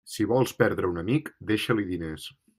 Si vols perdre un amic, deixa-li diners.